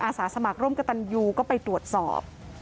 สาสมัครร่วมกับตันยูก็ไปตรวจสอบ